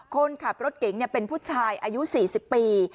คนขับรถเก๋งเป็นผู้ชายอายุ๔๐ปี